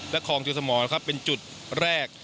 และคลองชึงสมรนะครับเป็นจุดแรก